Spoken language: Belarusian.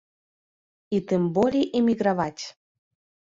І, тым болей, эміграваць.